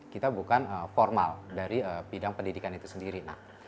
kita bukan formal dari bidang pendidikan itu sendiri